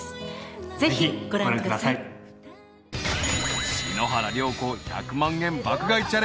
ぜひご覧ください。